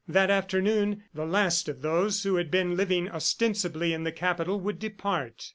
That afternoon the last of those who had been living ostensibly in the Capital would depart.